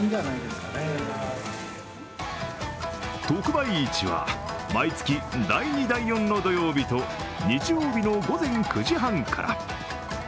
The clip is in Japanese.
特売市は毎月第２第４の土曜日と日曜日の午前９時半から。